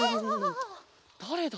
だれだ？